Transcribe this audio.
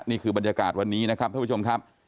นี่คือบรรยากาศวันนี้นะครับท่านผู้ชมครับ